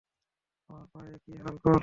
আমার পায়ের এ কী হাল করলি?